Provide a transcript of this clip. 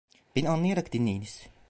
Beni anlayarak dinleyiniz…